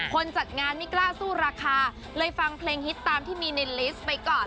จัดงานไม่กล้าสู้ราคาเลยฟังเพลงฮิตตามที่มีในลิสต์ไปก่อน